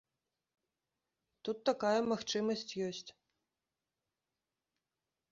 Тут такая магчымасць ёсць.